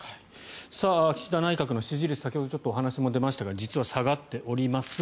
岸田内閣の支持率先ほどちょっとお話も出ましたが実は下がっております。